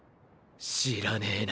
知らねぇな。